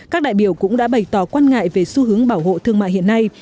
các đại biểu cũng đã bày tỏ quan ngại về xu hướng bảo hộ thương mại hiện nay